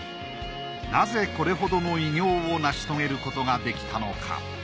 なぜこれほどの偉業を成し遂げることができたのか？